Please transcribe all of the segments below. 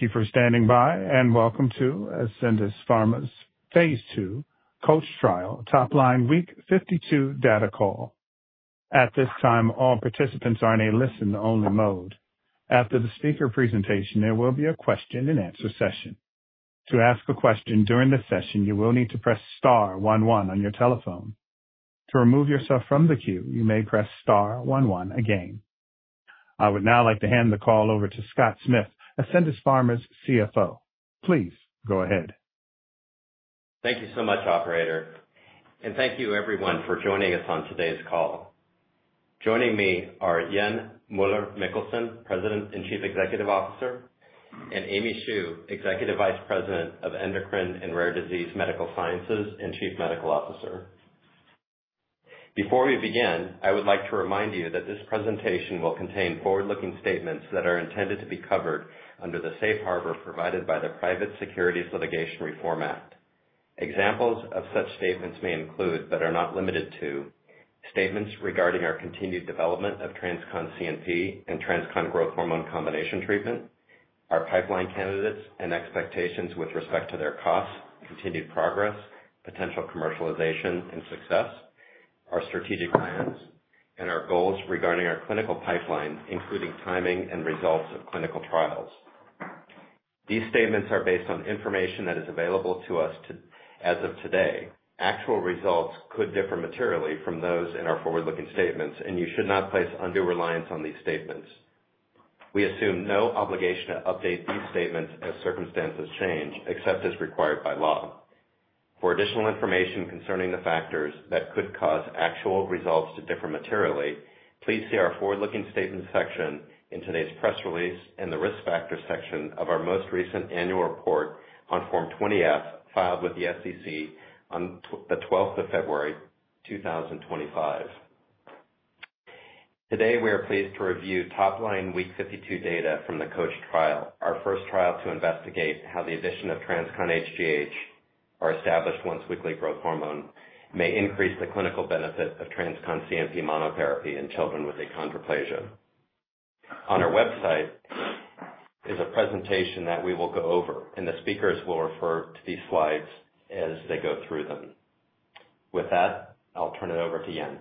Thank you for standing by, and welcome to Ascendis Pharma's phase 2 Coach Trial Topline Week 52 Data Call. At this time, all participants are in a listen-only mode. After the speaker presentation, there will be a question-and-answer session. To ask a question during the session, you will need to press Star 11 on your telephone. To remove yourself from the queue, you may press Star 11 again. I would now like to hand the call over to Scott Smith, Ascendis Pharma's CFO. Please go ahead. Thank you so much, Operator, and thank you, everyone, for joining us on today's call. Joining me are Jan Møller Mikkelsen, President and Chief Executive Officer, and Amy Hsu, Executive Vice President of Endocrine and Rare Disease Medical Sciences and Chief Medical Officer. Before we begin, I would like to remind you that this presentation will contain forward-looking statements that are intended to be covered under the safe harbor provided by the Private Securities Litigation Reform Act. Examples of such statements may include, but are not limited to, statements regarding our continued development of TransCon CNP and TransCon Growth Hormone Combination treatment, our pipeline candidates and expectations with respect to their costs, continued progress, potential commercialization and success, our strategic plans, and our goals regarding our clinical pipeline, including timing and results of clinical trials. These statements are based on information that is available to us as of today. Actual results could differ materially from those in our forward-looking statements, and you should not place undue reliance on these statements. We assume no obligation to update these statements as circumstances change, except as required by law. For additional information concerning the factors that could cause actual results to differ materially, please see our forward-looking statements section in today's press release and the risk factor section of our most recent annual report on Form 20-F filed with the SEC on the 12th of February, 2025. Today, we are pleased to review top-line Week 52 data from the Coach trial, our first trial to investigate how the addition of TransCon hGH, our established once-weekly growth hormone, may increase the clinical benefit of TransCon CNP monotherapy in children with Achondroplasia. On our website is a presentation that we will go over, and the speakers will refer to these slides as they go through them. With that, I'll turn it over to Jan.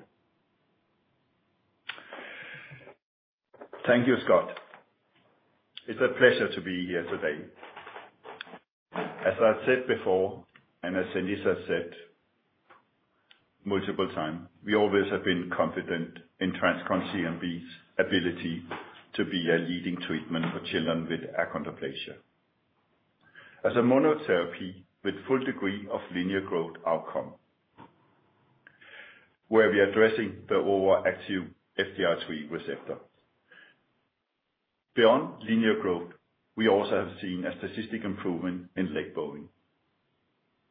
Thank you, Scott. It's a pleasure to be here today. As I've said before, and as Ascendis has said multiple times, we always have been confident in TransCon CNP's ability to be a leading treatment for children with Achondroplasia as a monotherapy with full degree of linear growth outcome, where we are addressing the overactive FGFR3 receptor. Beyond linear growth, we also have seen a statistically significant improvement in leg bowing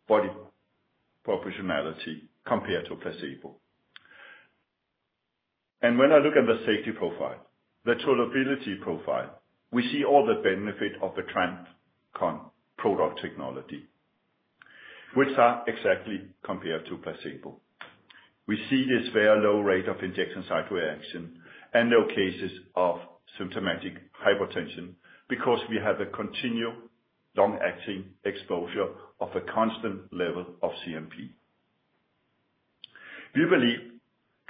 body proportionality compared to placebo. And when I look at the safety profile, the tolerability profile, we see all the benefit of the TransCon product technology, which are exactly compared to placebo. We see this very low rate of injection site reaction and no cases of symptomatic hypotension because we have a continued long-acting exposure of a constant level of CNP. We believe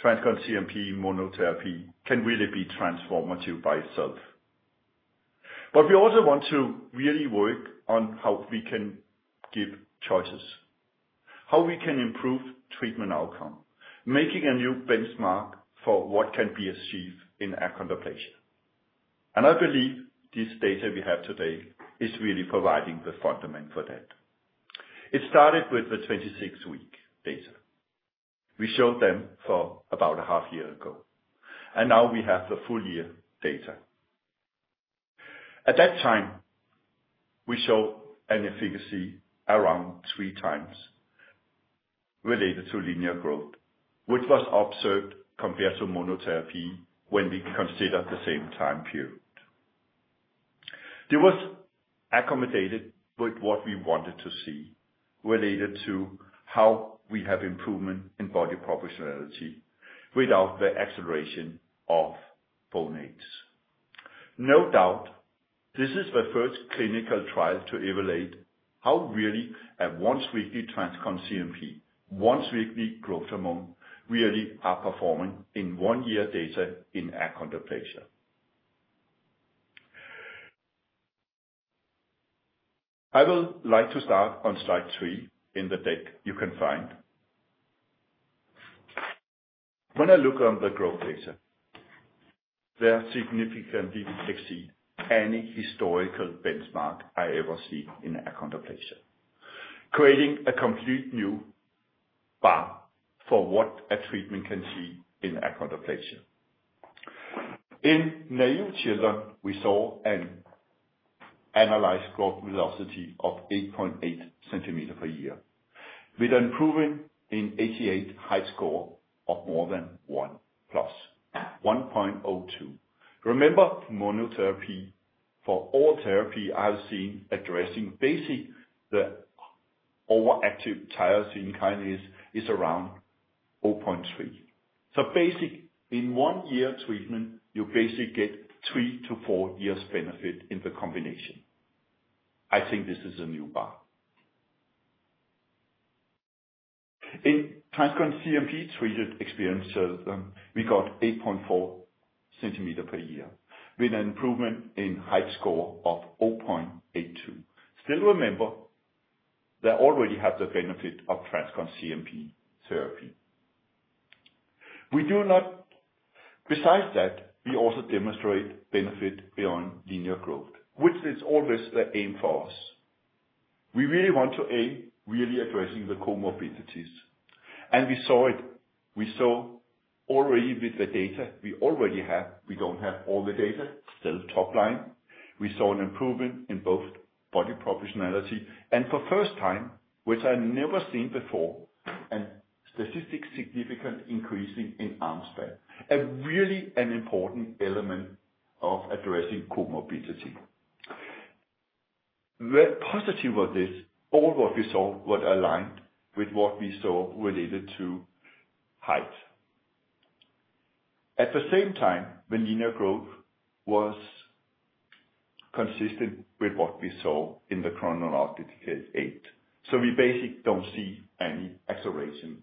TransCon CNP monotherapy can really be transformative by itself. But we also want to really work on how we can give choices, how we can improve treatment outcome, making a new benchmark for what can be achieved in Achondroplasia. And I believe this data we have today is really providing the fundament for that. It started with the 26-week data. We showed them for about a half year ago, and now we have the full year data. At that time, we showed an efficacy around three times related to linear growth, which was observed compared to monotherapy when we consider the same time period. It was accompanied with what we wanted to see related to how we have improvement in body proportionality without the acceleration of bone age. No doubt, this is the first clinical trial to evaluate how really a once-weekly TransCon CNP, once-weekly growth hormone, really are performing in one-year data in Achondroplasia. I would like to start on slide three in the deck you can find. When I look on the growth data, they are significantly exceeding any historical benchmark I ever see in Achondroplasia, creating a complete new bar for what a treatment can see in Achondroplasia. In naive children, we saw an annualized growth velocity of 8.8 centimeters per year, with improvement in height Z-score of more than one plus 1.02. Remember, monotherapy for all therapy I have seen addressing basically the overactive tyrosine kinase is around 0.3. So basically in one-year treatment, you basically get three to four years' benefit in the combination. I think this is a new bar. In TransCon CNP treated experienced children, we got 8.4 centimeters per year with an improvement in height score of 0.82. Still remember, they already have the benefit of TransCon CNP therapy. Besides that, we also demonstrate benefit beyond linear growth, which is always the aim for us. We really want to aim really addressing the comorbidities. And we saw it. We saw already with the data we already have. We don't have all the data, still top line. We saw an improvement in both body proportionality and for the first time, which I never seen before, a statistically significant increasing in arm span, really an important element of addressing comorbidity. The positive of this, all what we saw was aligned with what we saw related to height. At the same time, the linear growth was consistent with what we saw in the chronological age. So we basically don't see any acceleration.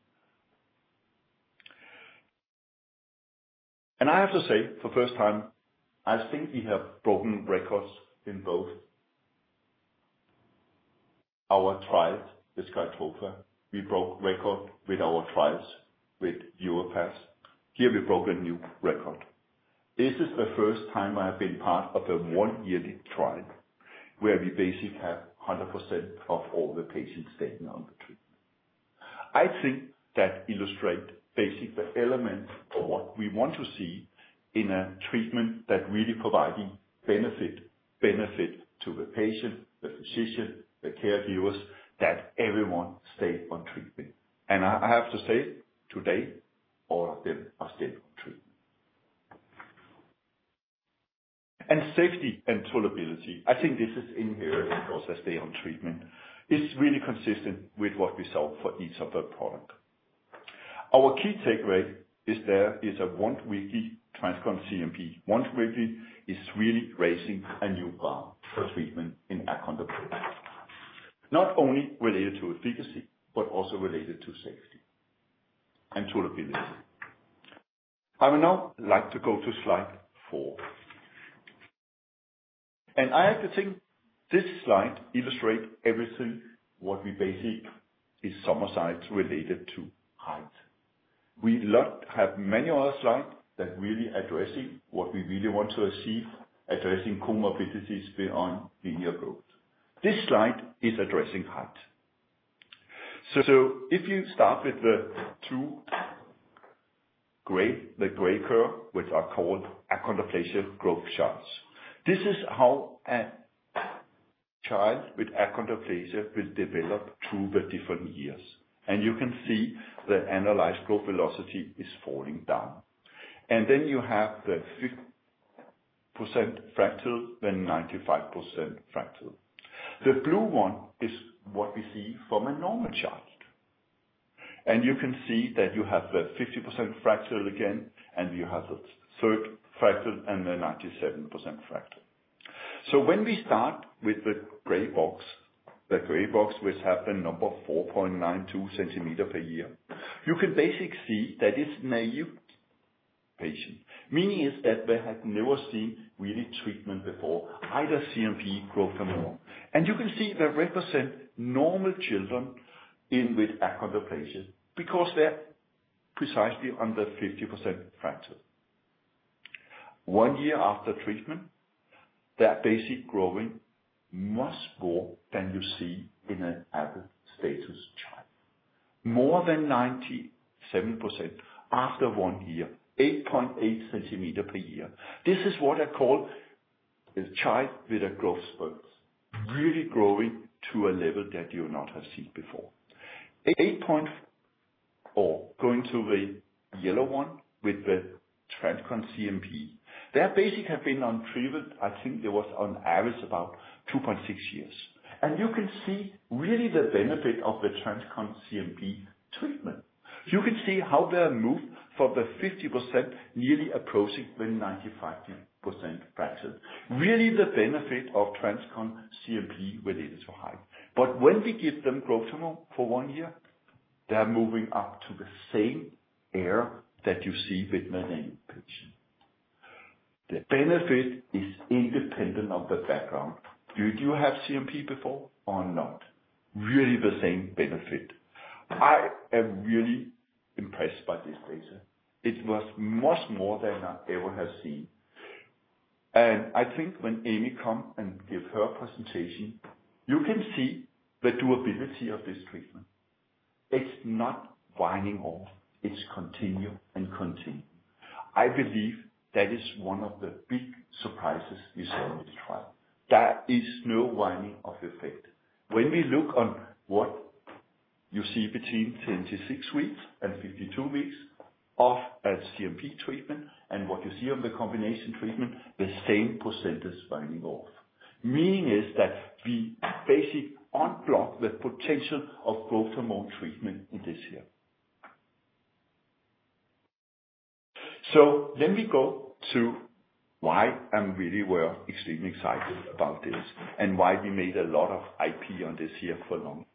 And I have to say, for the first time, I think we have broken records in both our trials, the SKYTROFA. We broke record with our trials with YORVIPATH. Here, we broke a new record. This is the first time I have been part of a one-year trial where we basically have 100% of all the patients taking on the treatment. I think that illustrates basically the element of what we want to see in a treatment that really provides benefit to the patient, the physician, the caregivers, that everyone stays on treatment. And I have to say, today, all of them are still on treatment. And safety and tolerability, I think this is inherent because they stay on treatment, is really consistent with what we saw for each of the products. Our key takeaway is there is a once-weekly TransCon CNP. Once-weekly is really raising a new bar for treatment in Achondroplasia, not only related to efficacy, but also related to safety and tolerability. I would now like to go to slide four. And I have to think this slide illustrates everything what we basically summarize related to height. We have many other slides that really address what we really want to achieve, addressing comorbidities beyond linear growth. This slide is addressing height. So if you start with the gray curve, which are called Achondroplasia growth charts. This is how a child with Achondroplasia will develop through the different years. And you can see the annualized growth velocity is falling down. And then you have the 50th percentile and 95th percentile. The blue one is what we see from a normal chart. And you can see that you have the 50th percentile again, and you have the 3rd percentile and the 97th percentile. When we start with the gray box, the gray box which has the number 4.92 centimeters per year, you can basically see that it's a naïve patient, meaning that they have never seen really treatment before, either CNP or growth hormone. And you can see they represent normal children with Achondroplasia because they're precisely at the 50th percentile. One year after treatment, they're basically growing much more than you see in an untreated child. More than 97% after one year, 8.8 centimeters per year. This is what I call a child with a growth spurt, really growing to a level that you'll not have seen before. 8.4, going to the yellow one with the TransCon CNP, that basically has been on treatment, I think it was on average about 2.6 years. And you can see really the benefit of the TransCon CNP treatment. You can see how they move from the 50% nearly approaching the 95% percentile. Really the benefit of TransCon CNP related to height. But when we give them growth hormone for one year, they're moving up to the same area that you see with the naive patient. The benefit is independent of the background. Did you have CNP before or not? Really the same benefit. I am really impressed by this data. It was much more than I ever have seen. And I think when Amy comes and gives her presentation, you can see the durability of this treatment. It's not winding off. It's continuing and continuing. I believe that is one of the big surprises we saw in this trial. There is no winding of effect. When we look at what you see between 26 weeks and 52 weeks of CNP treatment and what you see on the combination treatment, the same percent is winding off. Meaning is that we basically unblock the potential of growth hormone treatment in this year. So then we go to why I'm really extremely excited about this and why we made a lot of IP on this year for a long time.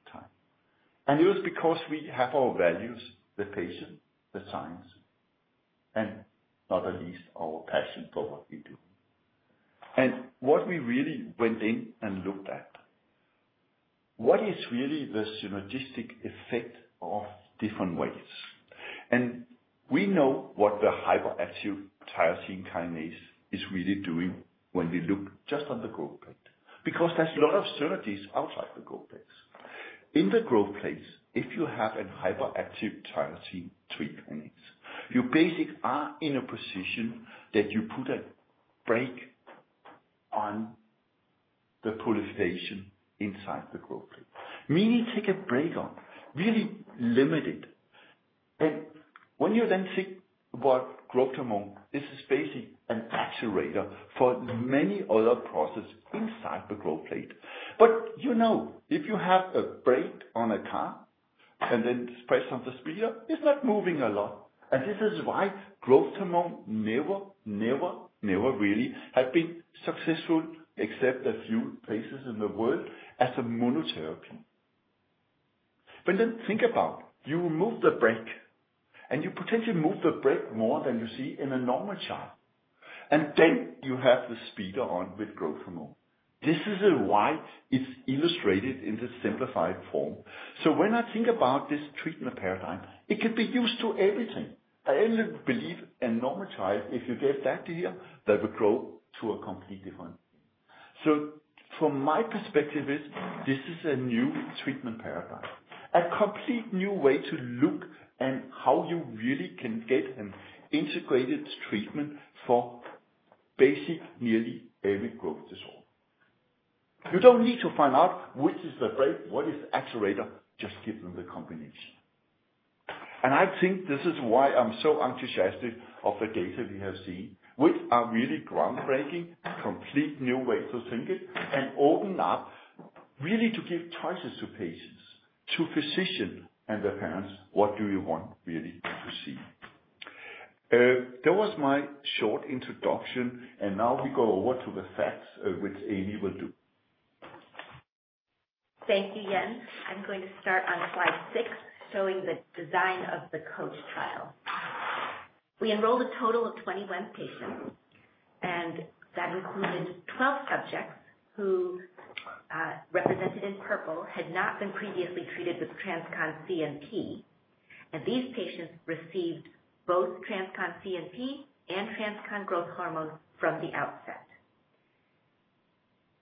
And it was because we have our values, the patient, the science, and not the least, our passion for what we do. And what we really went in and looked at, what is really the synergistic effect of different pathways. And we know what the hyperactive tyrosine kinase is really doing when we look just at the growth plate. Because there's a lot of synergies outside the growth plates. In the growth plates, if you have a hyperactive tyrosine kinase, you basically are in a position that you put a brake on the proliferation inside the growth plate. Meaning, put a brake on, really limit it. When you then think about growth hormone, this is basically an accelerator for many other processes inside the growth plate. But if you have a brake on a car and then press on the accelerator, it's not moving a lot. And this is why growth hormone never, never, never really has been successful except a few places in the world as a monotherapy. But then think about, you remove the brake, and you potentially move more than you see in a normal child. And then you have the accelerator on with growth hormone. This is why it's illustrated in the simplified form. So when I think about this treatment paradigm, it could be used to everything. I believe a normal child, if you get that here, they will grow to a complete different thing. So from my perspective, this is a new treatment paradigm, a complete new way to look at how you really can get an integrated treatment for basic nearly every growth disorder. You don't need to find out which is the brake, what is the accelerator, just give them the combination. And I think this is why I'm so enthusiastic of the data we have seen, which are really groundbreaking, complete new ways to think it and open up really to give choices to patients, to physicians and their parents, what do you want really to see. That was my short introduction. And now we go over to the facts which Amy will do. Thank you, Jan. I'm going to start on slide six, showing the design of the Coach trial. We enrolled a total of 21 patients, and that included 12 subjects who represented in purple, had not been previously treated with TransCon CNP, and these patients received both TransCon CNP and TransCon Growth Hormone from the outset,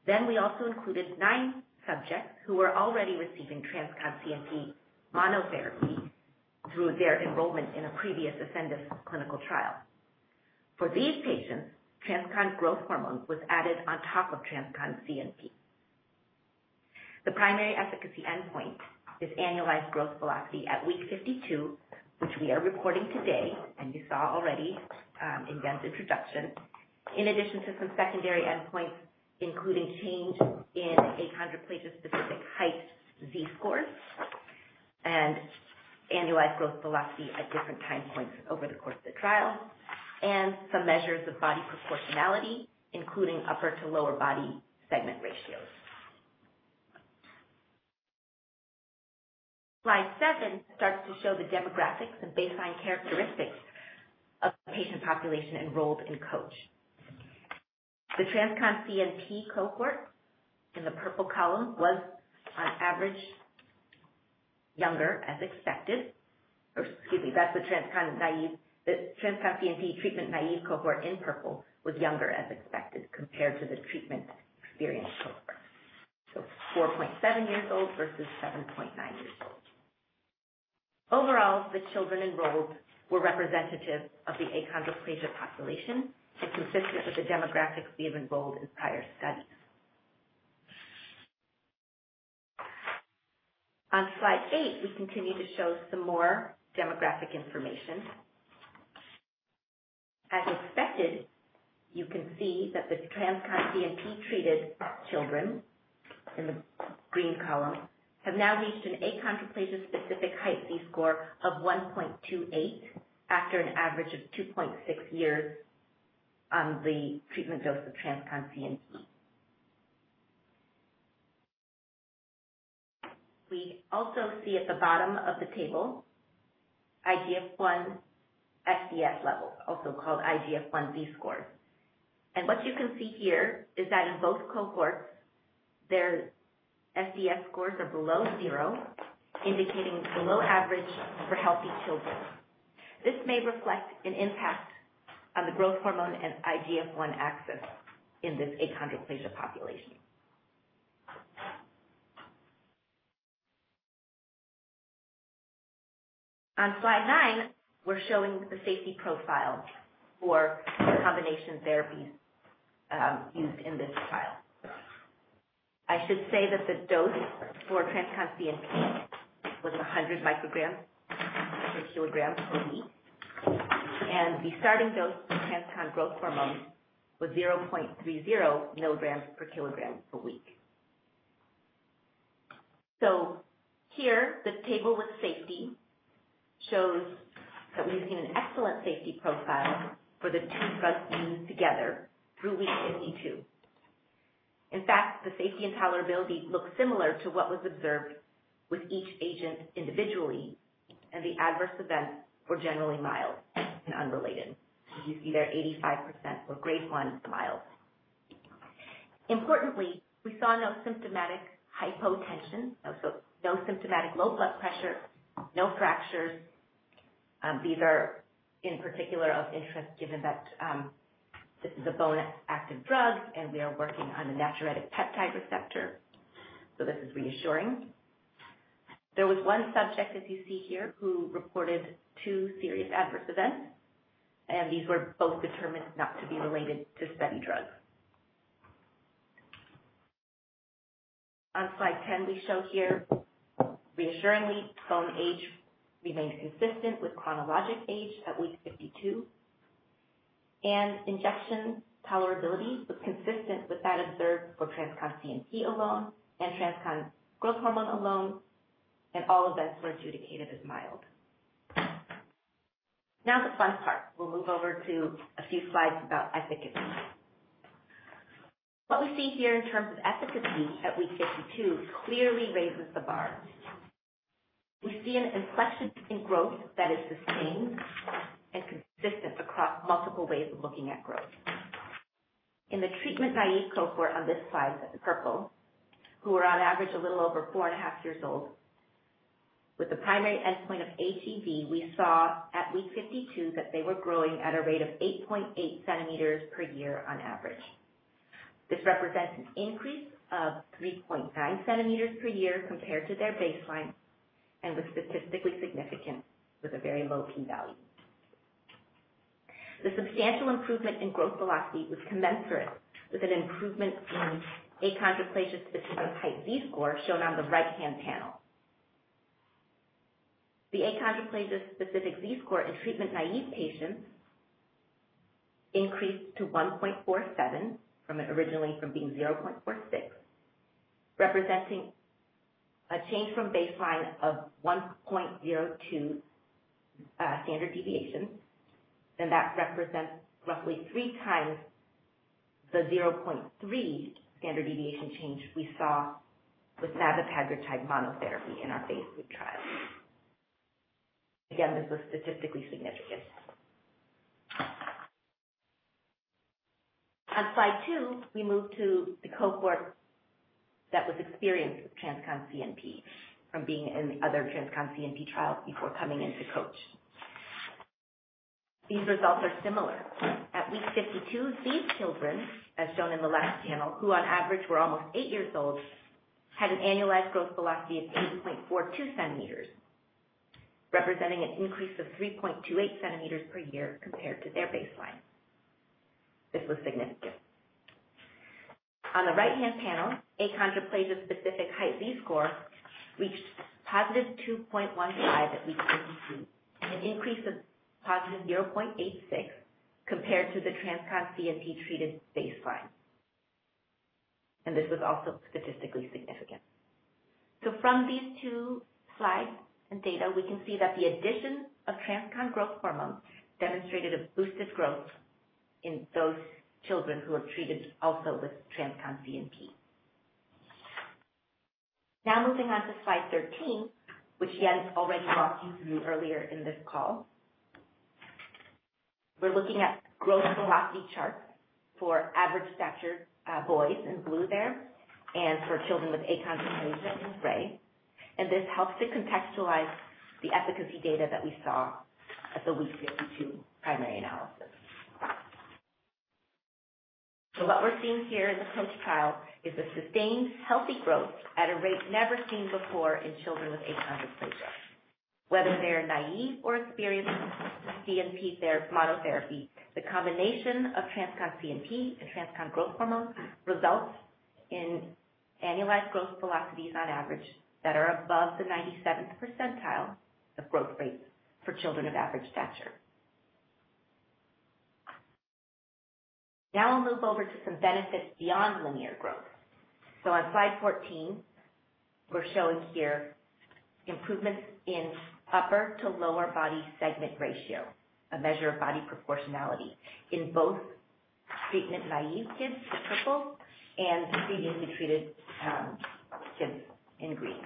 then we also included nine subjects who were already receiving TransCon CNP monotherapy through their enrollment in a previous Ascendis clinical trial. For these patients, TransCon Growth Hormone was added on top of TransCon CNP. The primary efficacy endpoint is annualized growth velocity at week 52, which we are reporting today, and you saw already in Jan's introduction, in addition to some secondary endpoints, including change in Achondroplasia-specific height Z-scores and annualized growth velocity at different time points over the course of the trial, and some measures of body proportionality, including upper to lower body segment ratios. Slide seven starts to show the demographics and baseline characteristics of the patient population enrolled in Coach. The TransCon CNP cohort in the purple column was, on average, younger as expected. Excuse me, that's the TransCon CNP treatment naive cohort in purple was younger as expected compared to the treatment experienced cohort. So 4.7 years old versus 7.9 years old. Overall, the children enrolled were representative of the Achondroplasia population and consistent with the demographics we have enrolled in prior studies. On slide eight, we continue to show some more demographic information. As expected, you can see that the TransCon CNP treated children in the green column have now reached an Achondroplasia-specific height Z-score of 1.28 after an average of 2.6 years on the treatment dose of TransCon CNP. We also see at the bottom of the table IGF-1 SDS levels, also called IGF-1 Z-scores. What you can see here is that in both cohorts, their SDS scores are below zero, indicating below average for healthy children. This may reflect an impact on the growth hormone and IGF-1 axis in this Achondroplasia population. On slide nine, we're showing the safety profile for the combination therapies used in this trial. I should say that the dose for TransCon CNP was 100 micrograms per kilogram per week. The starting dose for TransCon Growth Hormone was 0.30 milligrams per kilogram per week. So here, the table with safety shows that we've seen an excellent safety profile for the two drugs used together through week 52. In fact, the safety and tolerability look similar to what was observed with each agent individually, and the adverse events were generally mild and unrelated. You see there, 85% were grade 1 mild. Importantly, we saw no symptomatic hypotension, no symptomatic low blood pressure, no fractures. These are in particular of interest given that this is a bone-active drug, and we are working on a natriuretic peptide receptor. So this is reassuring. There was one subject, as you see here, who reported two serious adverse events, and these were both determined not to be related to study drugs. On slide 10, we show here reassuringly, bone age remained consistent with chronological age at week 52, and injection tolerability was consistent with that observed for TransCon CNP alone and TransCon Growth Hormone alone, and all events were adjudicated as mild. Now the fun part. We'll move over to a few slides about efficacy. What we see here in terms of efficacy at week 52 clearly raises the bar. We see an inflection in growth that is sustained and consistent across multiple ways of looking at growth. In the treatment naive cohort on this slide that's purple, who were on average a little over four and a half years old, with the primary endpoint of AGV, we saw at week 52 that they were growing at a rate of 8.8 centimeters per year on average. This represents an increase of 3.9 centimeters per year compared to their baseline and was statistically significant with a very low p-value. The substantial improvement in growth velocity was commensurate with an improvement in Achondroplasia-specific height Z-score shown on the right-hand panel. The Achondroplasia-specific Z-score in treatment naive patients increased to 1.47 originally from being 0.46, representing a change from baseline of 1.02 standard deviation. That represents roughly three times the 0.3 standard deviation change we saw with Navepegritide monotherapy in our phase 3 trial. Again, this was statistically significant. On slide 2, we move to the cohort that was experienced with TransCon CNP from being in the other TransCon CNP trial before coming into Coach. These results are similar. At week 52, these children, as shown in the left panel, who on average were almost eight years old, had an annualized growth velocity of 8.42 cm, representing an increase of 3.28 cm per year compared to their baseline. This was significant. On the right-hand panel, Achondroplasia-specific height Z-score reached positive 2.15 at week 52 and an increase of positive 0.86 compared to the TransCon CNP-treated baseline. And this was also statistically significant. So from these two slides and data, we can see that the addition of TransCon growth hormone demonstrated a boosted growth in those children who were treated also with TransCon CNP. Now moving on to slide 13, which Jen already walked you through earlier in this call. We're looking at growth velocity charts for average stature boys in blue there and for children with Achondroplasia in gray. And this helps to contextualize the efficacy data that we saw at the week 52 primary analysis. So what we're seeing here in the Coach trial is a sustained healthy growth at a rate never seen before in children with Achondroplasia. Whether they're naive or experienced with CNP, their monotherapy, the combination of TransCon CNP and TransCon growth hormone results in annualized growth velocities on average that are above the 97th percentile of growth rates for children of average stature. Now I'll move over to some benefits beyond linear growth. So on slide 14, we're showing here improvements in upper to lower body segment ratio, a measure of body proportionality in both treatment-naïve kids in purple and previously treated kids in green.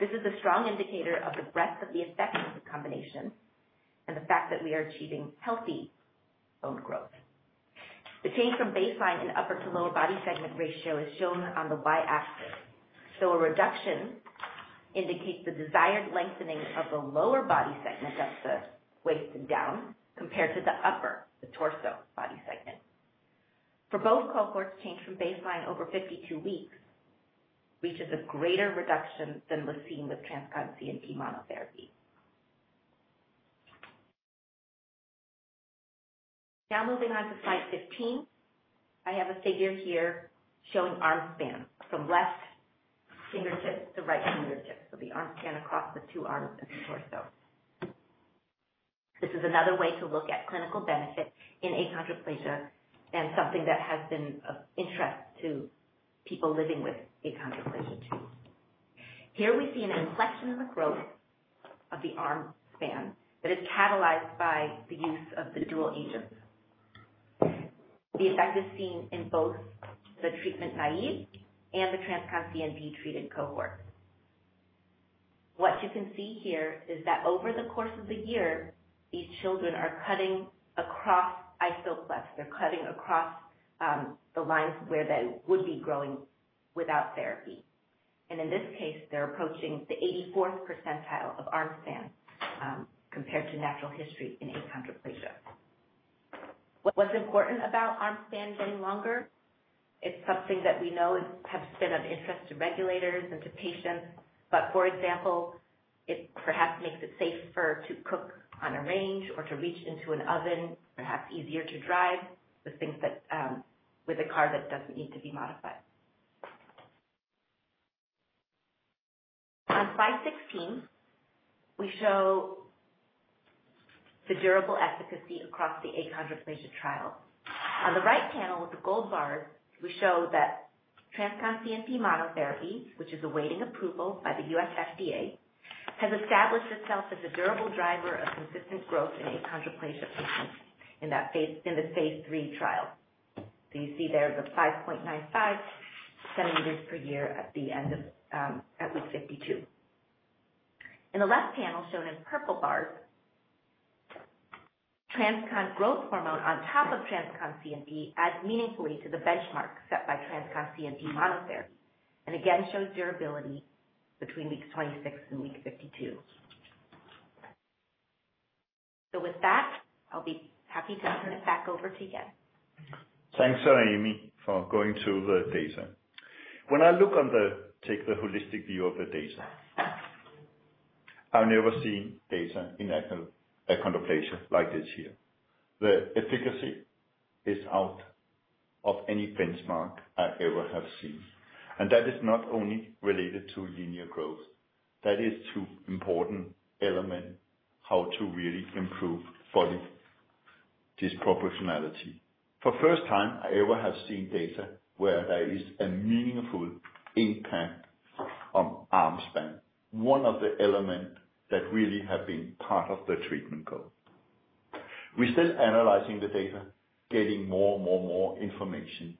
This is a strong indicator of the breadth of the effect in combination and the fact that we are achieving healthy bone growth. The change from baseline in upper to lower body segment ratio is shown on the Y-axis. So a reduction indicates the desired lengthening of the lower body segment, that's the waist and down, compared to the upper, the torso body segment. For both cohorts, change from baseline over 52 weeks reaches a greater reduction than was seen with TransCon CNP monotherapy. Now moving on to slide 15, I have a figure here showing arm span from left fingertip to right fingertip, so the arm span across the two arms and the torso. This is another way to look at clinical benefit in Achondroplasia and something that has been of interest to people living with Achondroplasia too. Here we see an inflection in the growth of the arm span that is catalyzed by the use of the dual agents. The effect is seen in both the treatment naive and the TransCon CNP treated cohort. What you can see here is that over the course of the year, these children are cutting across isopleths. They're cutting across the lines where they would be growing without therapy. And in this case, they're approaching the 84th percentile of arm span compared to natural history in Achondroplasia. What's important about arm span getting longer? It's something that we know has been of interest to regulators and to patients. But for example, it perhaps makes it safer to cook on a range or to reach into an oven, perhaps easier to drive with a car that doesn't need to be modified. On slide 16, we show the durable efficacy across the Achondroplasia trial. On the right panel with the gold bars, we show that TransCon CNP monotherapy, which is awaiting approval by the U.S. FDA, has established itself as a durable driver of consistent growth in Achondroplasia patients in this phase 3 trial. So you see there the 5.95 centimeters per year at the end of week 52. In the left panel shown in purple bars, TransCon Growth Hormone on top of TransCon CNP adds meaningfully to the benchmark set by TransCon CNP monotherapy and again shows durability between week 26 and week 52. With that, I'll be happy to turn it back over to Jan. Thanks a lot, Amy, for going through the data. When I look at and take the holistic view of the data, I've never seen data in Achondroplasia like this here. The efficacy is unlike any benchmark I ever have seen. That is not only related to linear growth. That is an important element in how to really improve body disproportionality. For the first time, I ever have seen data where there is a meaningful impact on arm span, one of the elements that really have been part of the treatment goal. We're still analyzing the data, getting more and more and more information.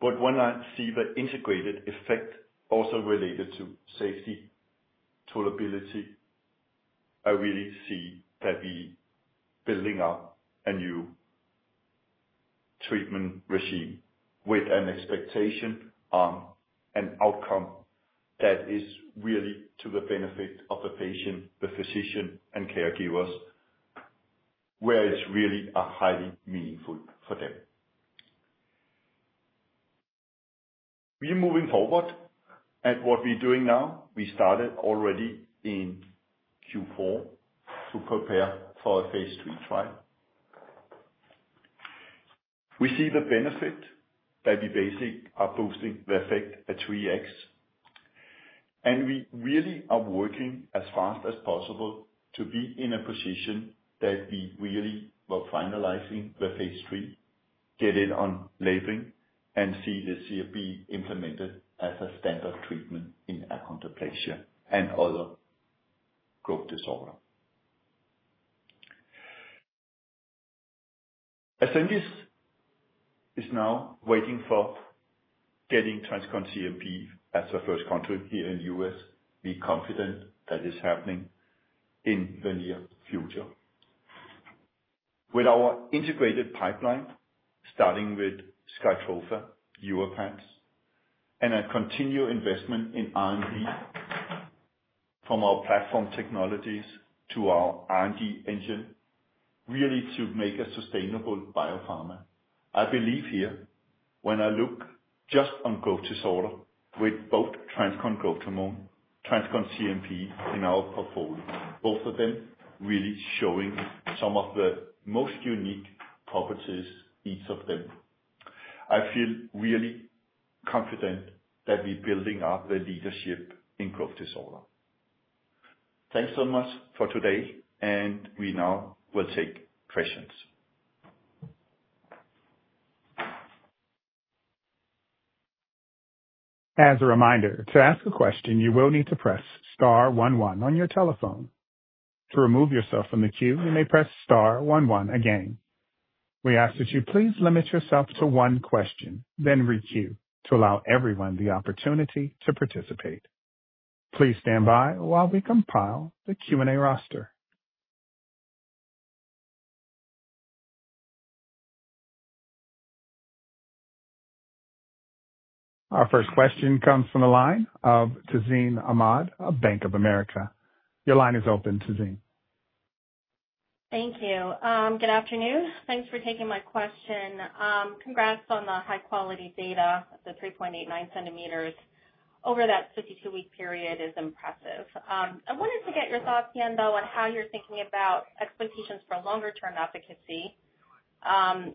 But when I see the integrated effect also related to safety, tolerability, I really see that we're building up a new treatment regimen with an expectation on an outcome that is really to the benefit of the patient, the physician, and caregivers, where it's really highly meaningful for them. We're moving forward at what we're doing now. We started already in Q4 to prepare for a phase 3 trial. We see the benefit that we basically are boosting the effect at 3X. And we really are working as fast as possible to be in a position that we really are finalizing the phase 3, get it on labeling, and see this be implemented as a standard treatment in Achondroplasia and other growth disorder. Ascendis is now waiting for getting TransCon CNP as the first country here in the US. We're confident that it's happening in the near future. With our integrated pipeline starting with SKYTROFA, YORVIPATH, and a continued investment in R&D from our platform technologies to our R&D engine, really to make a sustainable biopharma. I believe here when I look just on growth disorder with both TransCon Growth Hormone, TransCon CNP in our portfolio, both of them really showing some of the most unique properties each of them. I feel really confident that we're building up the leadership in growth disorder. Thanks so much for today, and we now will take questions. As a reminder, to ask a question, you will need to press star 11 on your telephone. To remove yourself from the queue, you may press star 11 again. We ask that you please limit yourself to one question, then re-queue to allow everyone the opportunity to participate. Please stand by while we compile the Q&A roster. Our first question comes from the line of Tazeen Ahmad of Bank of America. Your line is open, Tazeen. Thank you. Good afternoon. Thanks for taking my question. Congrats on the high-quality data. The 3.89 centimeters over that 52-week period is impressive. I wanted to get your thoughts again, though, on how you're thinking about expectations for longer-term efficacy.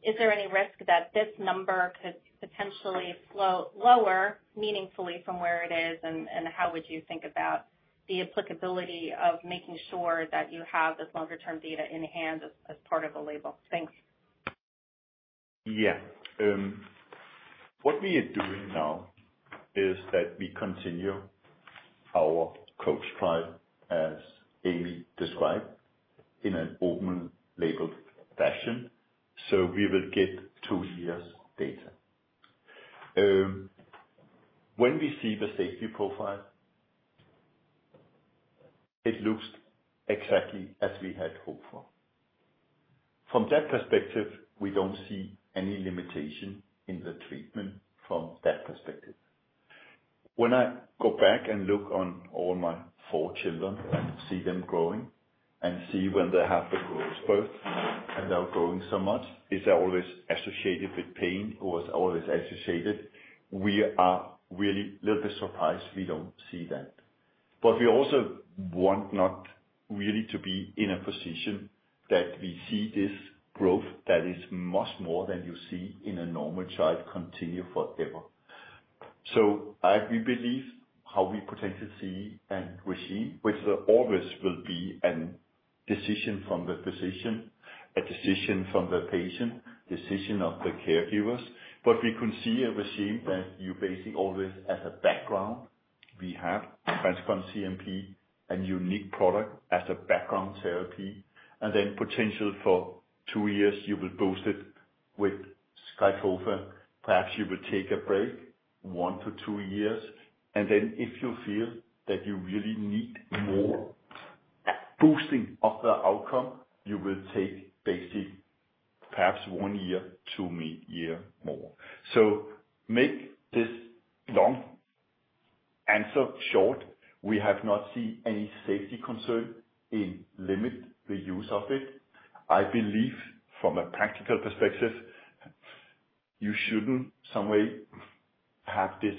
Is there any risk that this number could potentially slow lower meaningfully from where it is, and how would you think about the applicability of making sure that you have this longer-term data in hand as part of a label? Thanks. Yeah. What we are doing now is that we continue our Coach trial, as Amy described, in an open labeled fashion. We will get two years' data. When we see the safety profile, it looks exactly as we had hoped for. From that perspective, we don't see any limitation in the treatment from that perspective. When I go back and look on all my four children and see them growing and see when they have the growth spurts and they're growing so much, is there always associated with pain or is there always associated? We are really a little bit surprised we don't see that. But we also want not really to be in a position that we see this growth that is much more than you see in a normal child continue forever. We believe how we potentially see a regimen, which always will be a decision from the physician, a decision from the patient, decision of the caregivers. But we can see a regimen that you basically always have as a background. We have TransCon CNP, a unique product as a background therapy. And then potentially for two years, you will boost it with SKYTROFA. Perhaps you will take a break, one to two years. And then if you feel that you really need more boosting of the outcome, you will take basically perhaps one year to mid-year more. So to make this long answer short. We have not seen any safety concerns that limit the use of it. I believe from a practical perspective, you shouldn't in some way have this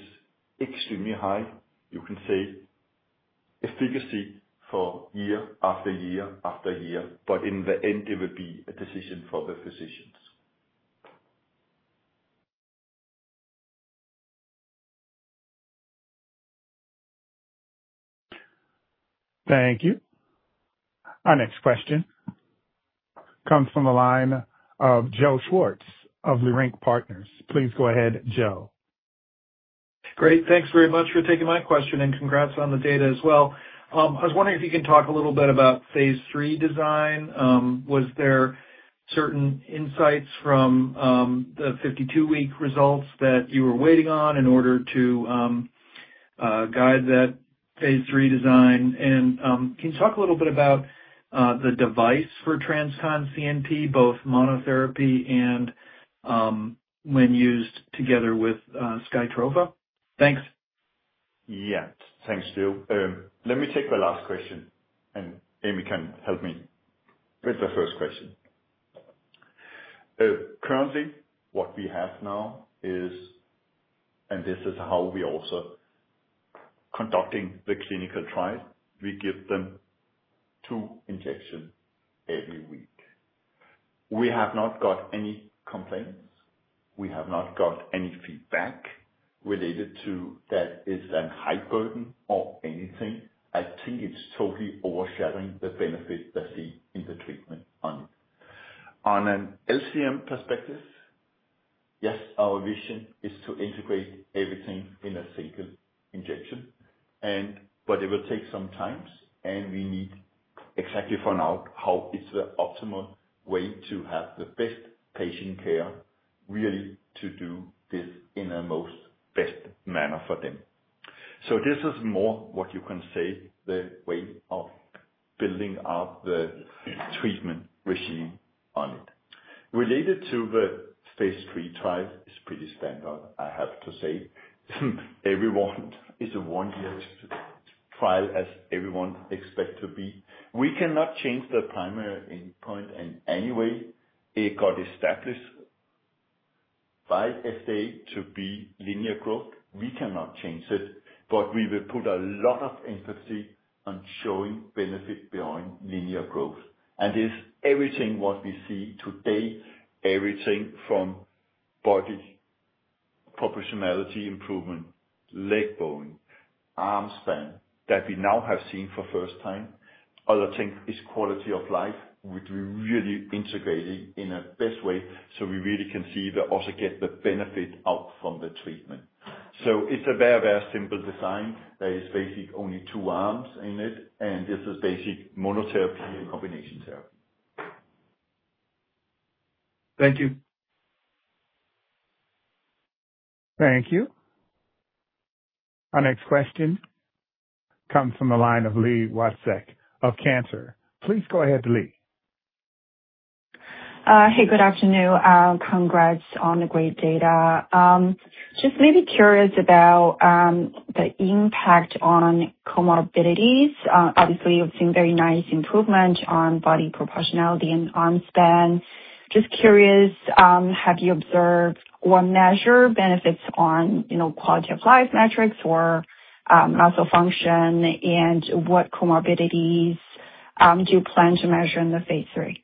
extremely high, you can say, efficacy for year after year after year. But in the end, it will be a decision for the physicians. Thank you. Our next question comes from the line of Joe Schwartz of Leerink Partners. Please go ahead, Joe. Great. Thanks very much for taking my question and congrats on the data as well. I was wondering if you can talk a little bit about phase 3 design. Was there certain insights from the 52-week results that you were waiting on in order to guide that phase 3 design? And can you talk a little bit about the device for TransCon CNP, both monotherapy and when used together with SKYTROFA? Thanks. Yeah. Thanks, Joe. Let me take the last question, and Amy can help me with the first question. Currently, what we have now is, and this is how we're also conducting the clinical trial, we give them two injections every week. We have not got any complaints. We have not got any feedback related to that is a high burden or anything. I think it's totally overshadowing the benefit that's seen in the treatment on it. On an LCM perspective, yes, our vision is to integrate everything in a single injection. But it will take some time, and we need exactly found out how it's the optimal way to have the best patient care really to do this in the most best manner for them. So this is more what you can say the way of building up the treatment regime on it. Related to the phase 3 trial is pretty standard, I have to say. Everyone is a one-year trial as everyone expects to be. We cannot change the primary endpoint in any way. It got established by FDA to be linear growth. We cannot change it. But we will put a lot of emphasis on showing benefit beyond linear growth. And it's everything what we see today, everything from body proportionality improvement, leg bone, arm span that we now have seen for the first time. Other things is quality of life, which we really integrated in a best way so we really can see the also get the benefit out from the treatment. So it's a very, very simple design. There is basically only two arms in it, and this is basic monotherapy and combination therapy. Thank you. Thank you. Our next question comes from the line of Li Watsek of Cantor Fitzgerald. Please go ahead, Li. Hey, good afternoon. Congrats on the great data. Just maybe curious about the impact on comorbidities. Obviously, you've seen very nice improvement on body proportionality and arm span. Just curious, have you observed or measure benefits on quality of life metrics or muscle function, and what comorbidities do you plan to measure in the phase three?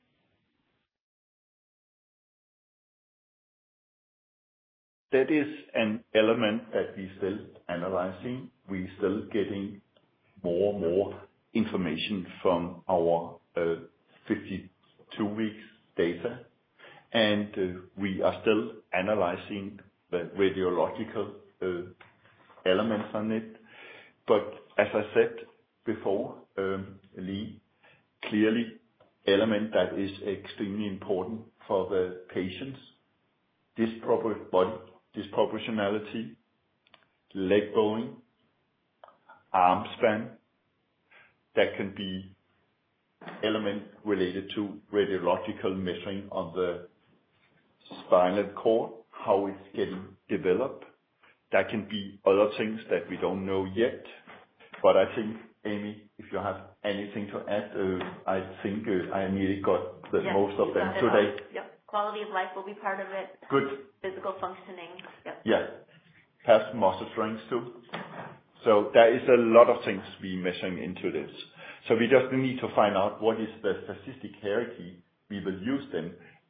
That is an element that we're still analyzing. We're still getting more and more information from our 52-week data, and we are still analyzing the radiological elements on it. But as I said before, Lee, clearly, element that is extremely important for the patients, this proper body, this proportionality, leg bone, arm span, that can be element related to radiological measuring on the spinal cord, how it's getting developed. That can be other things that we don't know yet. But I think, Amy, if you have anything to add, I think I nearly got most of them today. Yep. Quality of life will be part of it. Good. Physical functioning. Yep. Yeah. Assess muscle strength too. So there is a lot of things we're measuring into this. So we just need to find out what is the statistic hierarchy we will use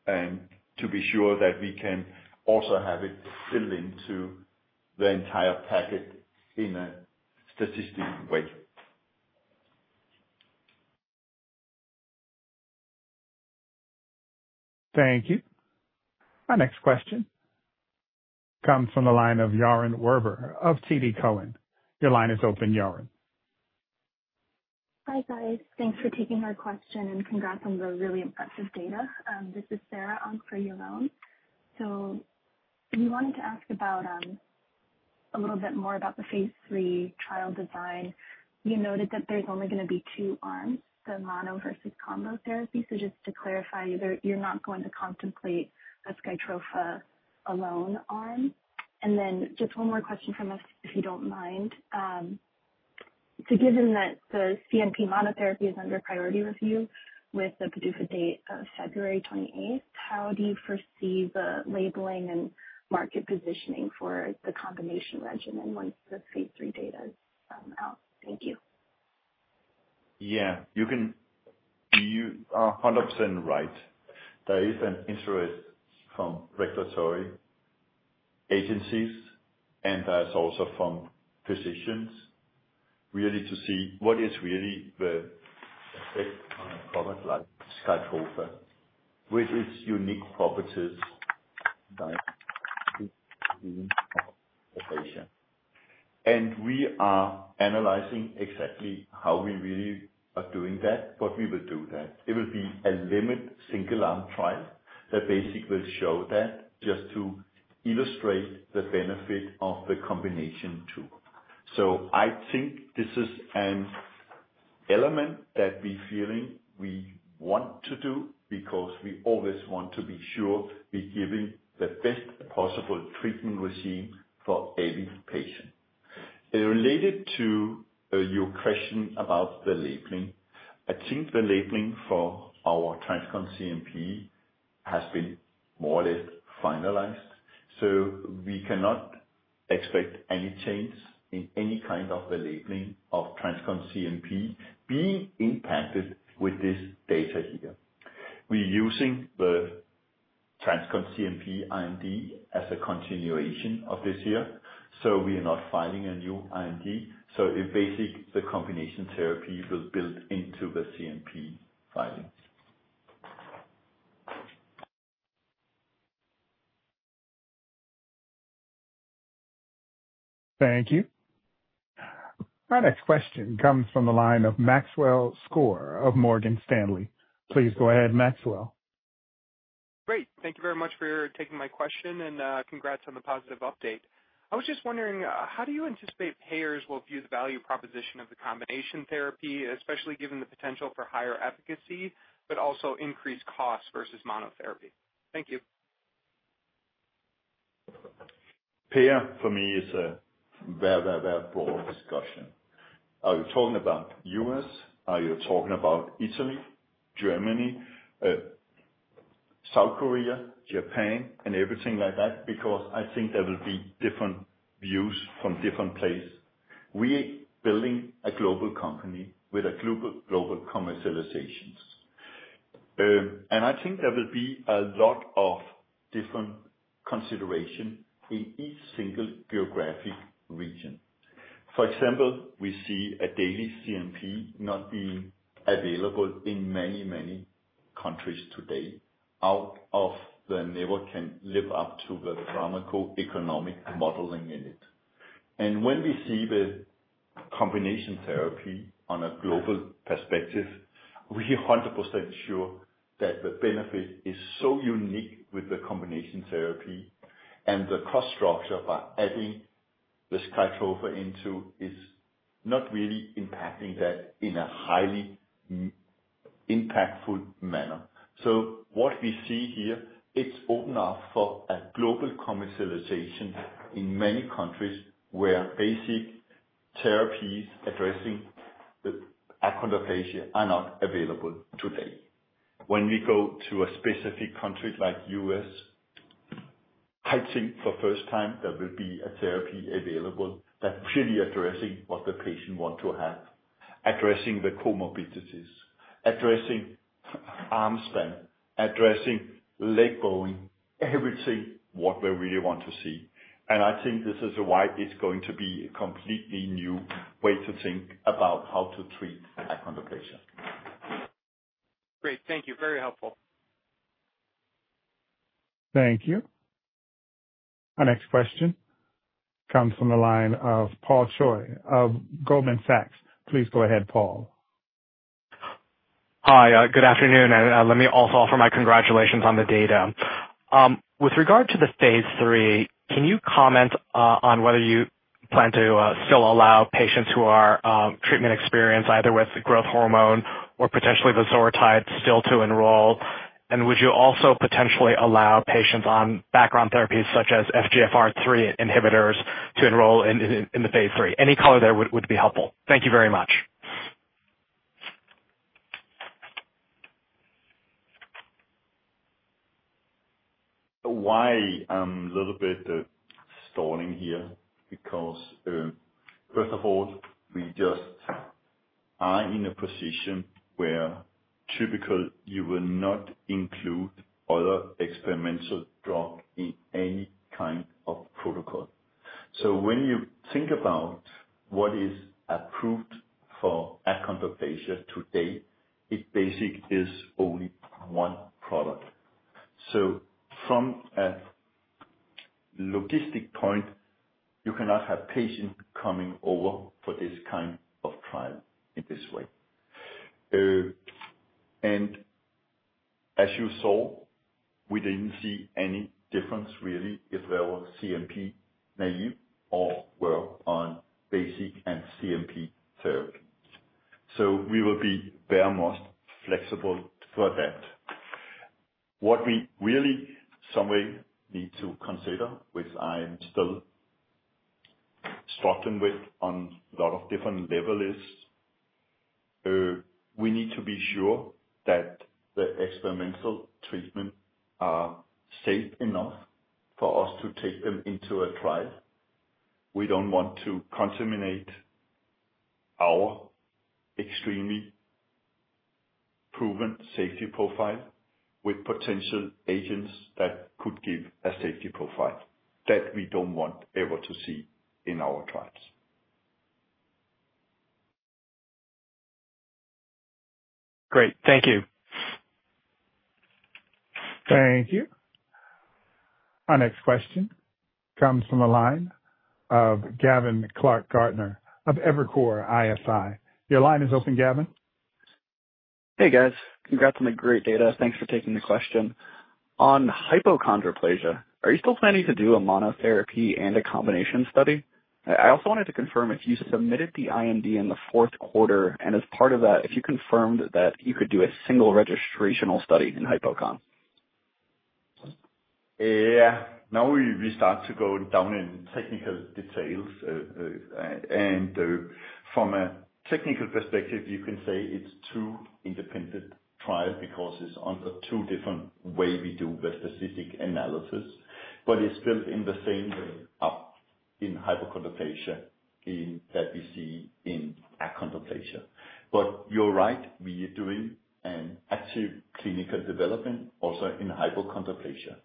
then to be sure that we can also have it filled into the entire packet in a statistic way. Thank you. Our next question comes from the line of Yaron Werber of TD Cowen. Your line is open, Yaron. Hi, guys. Thanks for taking our question and congrats on the really impressive data. This is Sarah on for Yaron. So we wanted to ask about a little bit more about the phase 3 trial design. You noted that there's only going to be two arms, the mono versus combo therapy. So just to clarify, you're not going to contemplate a SKYTROFA alone arm. And then just one more question from us, if you don't mind. So given that the CNP monotherapy is under priority review with the PDUFA date of February 28th, how do you foresee the labeling and market positioning for the combination regimen once the phase three data is out? Thank you. Yeah. You are 100% right. There is an interest from regulatory agencies, and there's also from physicians really to see what is really the effect on a product like SKYTROFA with its unique properties that we've seen of the patient. And we are analyzing exactly how we really are doing that, but we will do that. It will be a limited single-arm trial that basically will show that just to illustrate the benefit of the combination too. So I think this is an element that we're feeling we want to do because we always want to be sure we're giving the best possible treatment regimen for every patient. Related to your question about the labeling, I think the labeling for our TransCon CNP has been more or less finalized. We cannot expect any change in any kind of the labeling of TransCon CNP being impacted with this data here. We're using the TransCon CNP IND as a continuation of this year, so we are not filing a new IND. Basically, the combination therapy will build into the CNP filing. Thank you. Our next question comes from the line of Maxwell Skor of Morgan Stanley. Please go ahead, Maxwell. Great. Thank you very much for taking my question and congrats on the positive update. I was just wondering, how do you anticipate payers will view the value proposition of the combination therapy, especially given the potential for higher efficacy, but also increased costs versus monotherapy? Thank you. Payer for me is a very, very, very broad discussion. Are you talking about US? Are you talking about Italy, Germany, South Korea, Japan, and everything like that? Because I think there will be different views from different places. We are building a global company with global commercializations. And I think there will be a lot of different considerations in each single geographic region. For example, we see a daily CNP not being available in many, many countries today out of the gate, it never can live up to the pharmacoeconomic modeling in it. And when we see the combination therapy on a global perspective, we are 100% sure that the benefit is so unique with the combination therapy and the cost structure by adding the SKYTROFA into it is not really impacting that in a highly impactful manner. So what we see here, it's opened up for a global commercialization in many countries where basic therapies addressing Achondroplasia are not available today. When we go to a specific country like U.S., I think for the first time there will be a therapy available that's really addressing what the patient wants to have, addressing the comorbidities, addressing arm span, addressing leg bone, everything what we really want to see. And I think this is why it's going to be a completely new way to think about how to treat Achondroplasia. Great. Thank you. Very helpful. Thank you. Our next question comes from the line of Paul Choi of Goldman Sachs. Please go ahead, Paul. Hi. Good afternoon, and let me also offer my congratulations on the data. With regard to the phase three, can you comment on whether you plan to still allow patients who are treatment experienced either with growth hormone or potentially the vosoritide still to enroll? And would you also potentially allow patients on background therapies such as FGFR3 inhibitors to enroll in the phase three? Any color there would be helpful. Thank you very much. Why a little bit stalling here? Because first of all, we just are in a position where typically you will not include other experimental drugs in any kind of protocol. So when you think about what is approved for Achondroplasia today, it basically is only one product. So from a logistical point, you cannot have patients coming over for this kind of trial in this way. And as you saw, we didn't see any difference really if they were CNP naive or were on Voxzogo, an CNP therapy. So we will be very much flexible for that. What we really somehow need to consider, which I'm still struggling with on a lot of different levels, is we need to be sure that the experimental treatments are safe enough for us to take them into a trial. We don't want to contaminate our extremely proven safety profile with potential agents that could give a safety profile that we don't want ever to see in our trials. Great. Thank you. Thank you. Our next question comes from the line of Gavin Clark-Gartner of Evercore ISI. Your line is open, Gavin. Hey, guys. Congrats on the great data. Thanks for taking the question. On Hypochondroplasia, are you still planning to do a monotherapy and a combination study? I also wanted to confirm if you submitted the IND in the fourth quarter. And as part of that, if you confirmed that you could do a single registrational study in Hypochondroplasia. Yeah. Now we start to go down in technical details. And from a technical perspective, you can say it's two independent trials because it's under two different ways we do the specific analysis. But it's built in the same way up in Hypochondroplasia that we see in Achondroplasia. But you're right. We are doing an active clinical development also in Hypochondroplasia.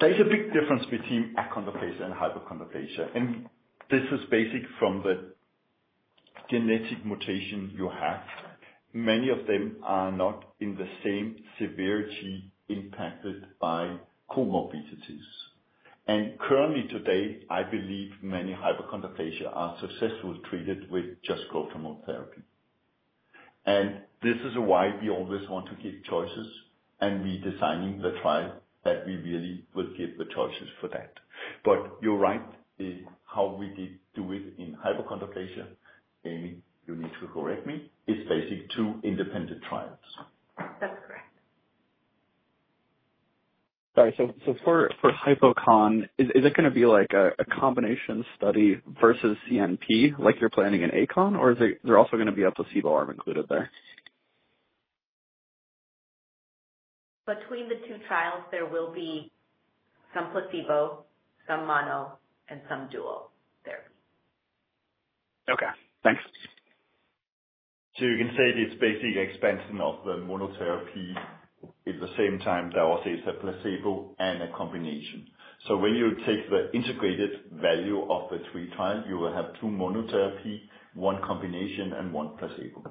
There is a big difference between Achondroplasia and Hypochondroplasia. And this is based from the genetic mutation you have. Many of them are not in the same severity impacted by comorbidities. And currently today, I believe many Hypochondroplasia are successfully treated with just growth hormone therapy. And this is why we always want to give choices. And we're designing the trial that we really will give the choices for that. But you're right in how we do it in Hypochondroplasia. Amy, you need to correct me. It's basically two independent trials. That's correct. Sorry. So for Hypochondroplasia, is it going to be like a combination study versus CNP like you're planning in ACON, or is there also going to be a placebo arm included there? Between the two trials, there will be some placebo, some mono, and some dual therapy. Okay. Thanks. So you can say it's basically expansion of the monotherapy at the same time there also is a placebo and a combination. So when you take the integrated value of the three trials, you will have two monotherapies, one combination, and one placebo.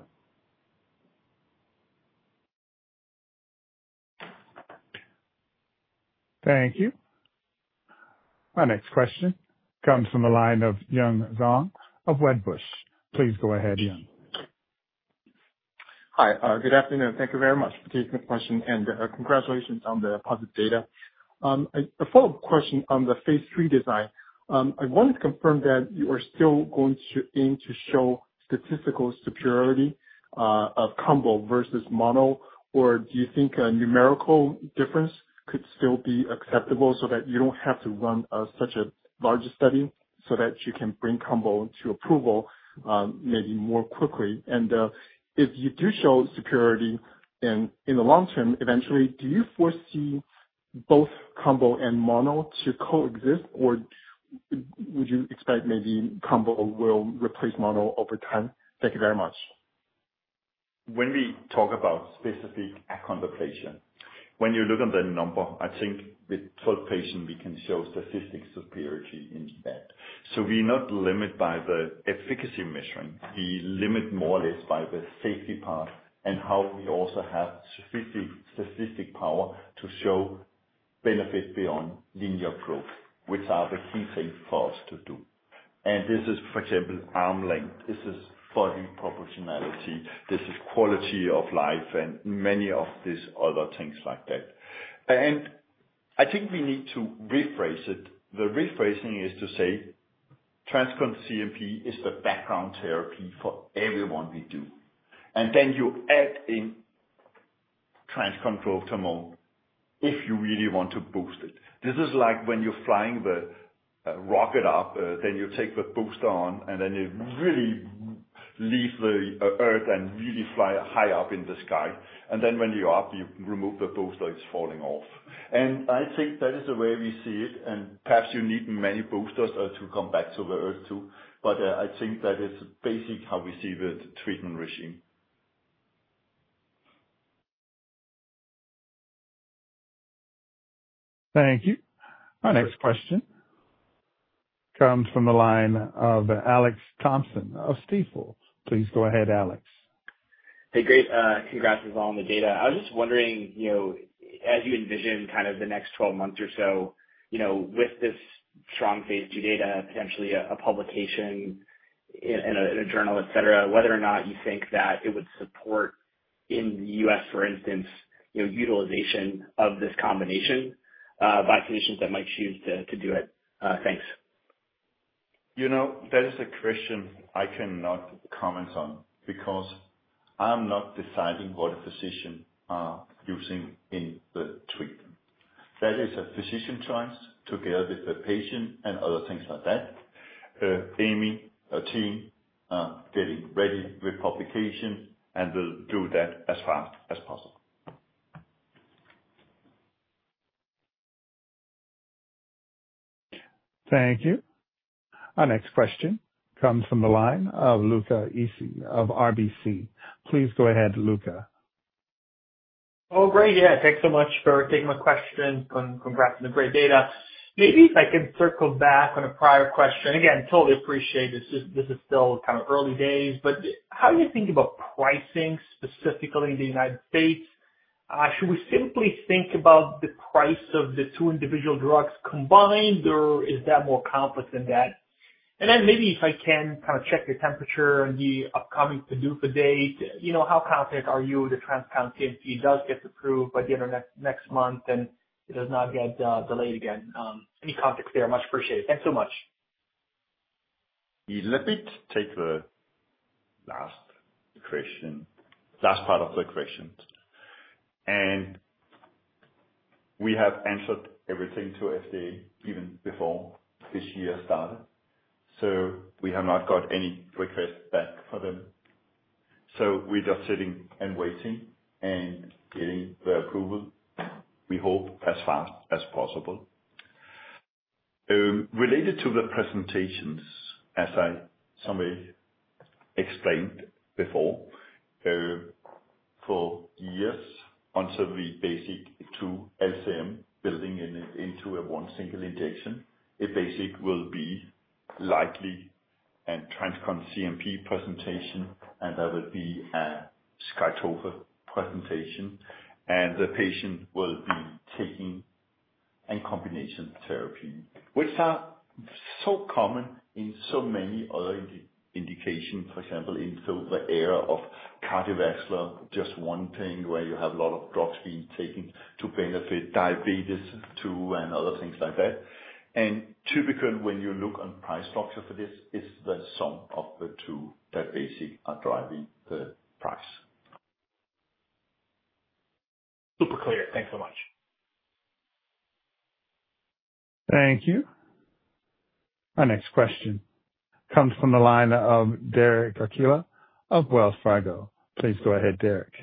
Thank you. Our next question comes from the line of Yun Zhong of Wedbush. Please go ahead, Yun. Hi. Good afternoon. Thank you very much for taking the question. And congratulations on the positive data. A follow-up question on the phase three design. I wanted to confirm that you are still going to aim to show statistical superiority of combo versus mono, or do you think a numerical difference could still be acceptable so that you don't have to run such a large study so that you can bring combo to approval maybe more quickly? And if you do show superiority in the long term, eventually, do you foresee both combo and mono to coexist, or would you expect maybe combo will replace mono over time? Thank you very much. When we talk about specific Achondroplasia, when you look at the number, I think with 12 patients, we can show statistical superiority in that. So we're not limited by the efficacy measuring. We limit more or less by the safety part and how we also have sufficient statistical power to show benefit beyond linear growth, which are the key things for us to do. And this is, for example, arm span. This is body proportionality. This is quality of life and many of these other things like that. And I think we need to rephrase it. The rephrasing is to say TransCon CNP is the background therapy for everyone we do. And then you add in TransCon Growth Hormone if you really want to boost it. This is like when you're flying the rocket up, then you take the booster on, and then you really leave the Earth and really fly high up in the sky. And then when you're up, you remove the booster, it's falling off. And I think that is the way we see it. Perhaps you need many boosters to come back to the Earth too. I think that is basic how we see the treatment regimen. Thank you. Our next question comes from the line of Alex Thompson of Stifel. Please go ahead, Alex. Hey, great. Congrats on the data. I was just wondering, as you envision kind of the next 12 months or so, with this strong phase two data, potentially a publication in a journal, etc., whether or not you think that it would support, in the U.S., for instance, utilization of this combination by physicians that might choose to do it. Thanks. That is a question I cannot comment on because I'm not deciding what a physician is using in the treatment. That is a physician choice together with the patient and other things like that. Amy, our team, are getting ready with publication and will do that as fast as possible. Thank you. Our next question comes from the line of Luca Issi of RBC. Please go ahead, Luca. Oh, great. Yeah. Thanks so much for taking my question and congrats on the great data. Maybe if I can circle back on a prior question. Again, totally appreciate this. This is still kind of early days. But how do you think about pricing, specifically in the United States? Should we simply think about the price of the two individual drugs combined, or is that more complex than that? And then maybe if I can kind of check the temperature on the upcoming PDUFA date, how confident are you the TransCon CNP does get approved by the end of next month and it does not get delayed again? Any context there? Much appreciated. Thanks so much. Let me take the last question, last part of the question. And we have answered everything to FDA even before this year started. So we have not got any request back for them. So we're just sitting and waiting and getting the approval, we hope, as fast as possible. Related to the presentations, as I someway explained before, for years until we basically do LCM building into a one single injection, it basically will be likely a TransCon CNP presentation, and there will be a SKYTROFA presentation. And the patient will be taking a combination therapy, which are so common in so many other indications, for example, in the area of cardiovascular, just one thing where you have a lot of drugs being taken to benefit diabetes too and other things like that. Typically, when you look on price structure for this, it's the sum of the two that basically are driving the price. Super clear. Thanks so much. Thank you. Our next question comes from the line of Derek Archila of Wells Fargo. Please go ahead, Derek.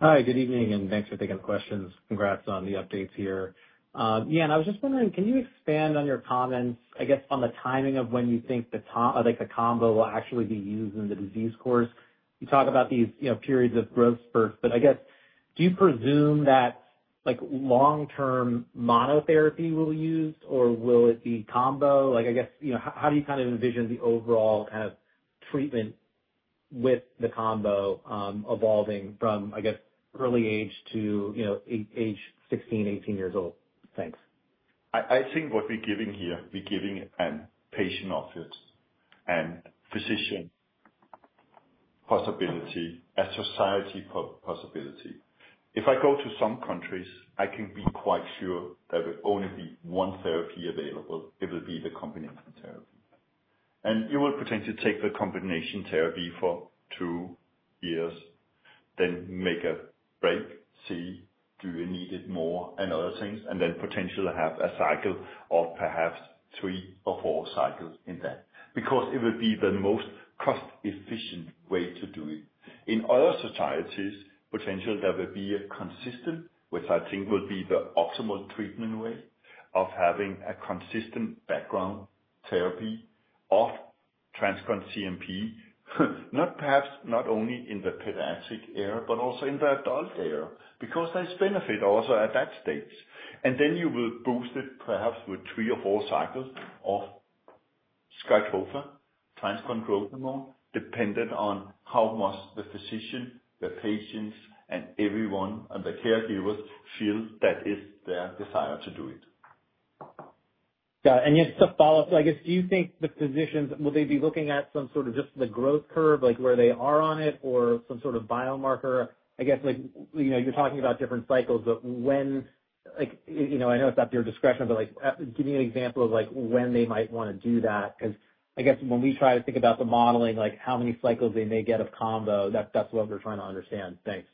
Hi. Good evening. Thanks for taking the questions. Congrats on the updates here. Yeah. I was just wondering, can you expand on your comments, I guess, on the timing of when you think the combo will actually be used in the disease course? You talk about these periods of growth spurts. But I guess, do you presume that long-term monotherapy will be used, or will it be combo? I guess, how do you kind of envision the overall kind of treatment with the combo evolving from, I guess, early age to age 16, 18 years old? Thanks. I think what we're giving here, we're giving a patient optics and physician possibility as society possibility. If I go to some countries, I can be quite sure there will only be one therapy available. It will be the combination therapy, and you will potentially take the combination therapy for two years, then make a break, see, do you need it more, and other things, and then potentially have a cycle of perhaps three or four cycles in that. Because it will be the most cost-efficient way to do it. In other societies, potentially there will be a consistent, which I think will be the optimal treatment way, of having a consistent background therapy of TransCon CNP, perhaps not only in the pediatric area, but also in the adult area because there's benefit also at that stage. And then you will boost it perhaps with three or four cycles of SKYTROFA TransCon Growth Hormone, dependent on how much the physician, the patients, and everyone and the caregivers feel that is their desire to do it. Yeah. And just to follow up, I guess, do you think the physicians will they be looking at some sort of just the growth curve where they are on it or some sort of biomarker? I guess you're talking about different cycles, but when I know it's up to your discretion, but give me an example of when they might want to do that. Because I guess when we try to think about the modeling, how many cycles they may get of combo, that's what we're trying to understand. Thanks.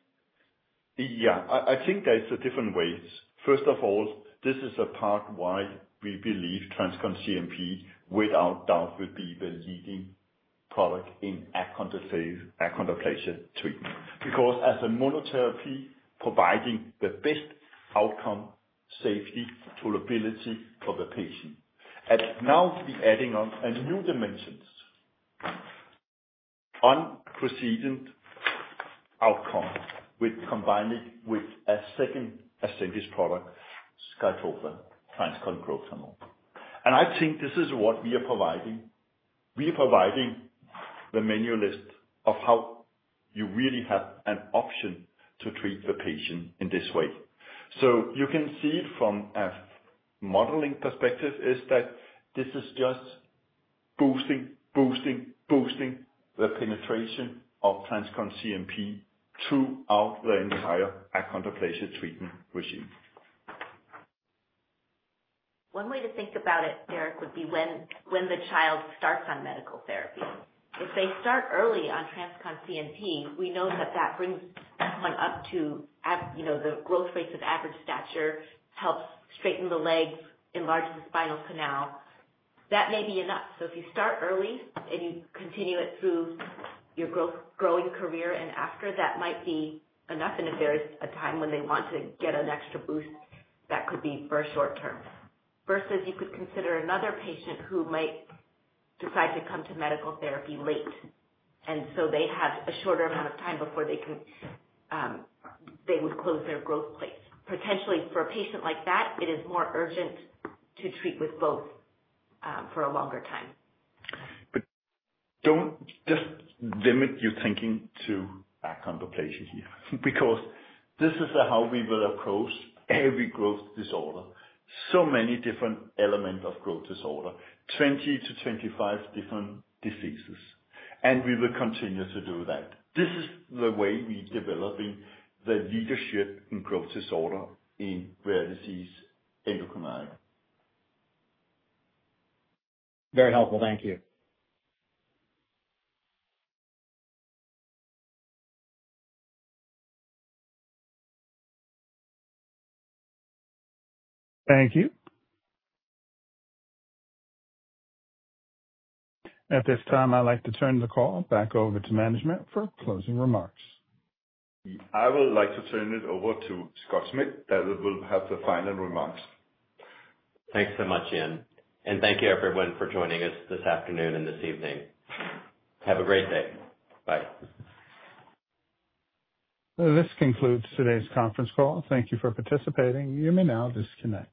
Yeah. I think there's a different way. First of all, this is a part why we believe TransCon CNP, without doubt, would be the leading product in Achondroplasia treatment. Because as a monotherapy, providing the best outcome, safety, tolerability for the patient. And now we're adding on a new dimension, unprecedented outcome, with combining with a second essential product, SKYTROFA TransCon Growth Hormone. And I think this is what we are providing. We are providing the manual list of how you really have an option to treat the patient in this way. So you can see it from a modeling perspective is that this is just boosting, boosting, boosting the penetration of TransCon CNP throughout the entire Achondroplasia treatment regime. One way to think about it, Derek, would be when the child starts on medical therapy. If they start early on TransCon CNP, we know that that brings someone up to the growth rate of average stature, helps straighten the legs, enlarge the spinal canal. That may be enough. So if you start early and you continue it through your growing years, and after that might be enough in a time when they want to get an extra boost, that could be for short term. Versus you could consider another patient who might decide to come to medical therapy late. And so they have a shorter amount of time before they would close their growth plates. Potentially for a patient like that, it is more urgent to treat with both for a longer time. But don't just limit your thinking to Achondroplasia here. Because this is how we will approach every growth disorder. So many different elements of growth disorder, 20 to 25 different diseases. And we will continue to do that. This is the way we're developing the leadership in growth disorder in rare disease endocrinology. Very helpful. Thank you. Thank you. At this time, I'd like to turn the call back over to management for closing remarks. I would like to turn it over to Scott Smith that will have the final remarks. Thanks so much, Jan. And thank you, everyone, for joining us this afternoon and this evening. Have a great day. Bye. This concludes today's conference call. Thank you for participating. You may now disconnect.